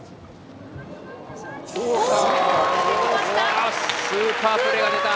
うわスーパープレーが出た！